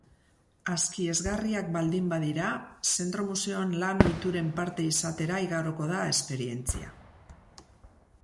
Askiesgarriak baldin badira, zentro-museoan lan-ohituren parte izatera igaroko da esperientzia.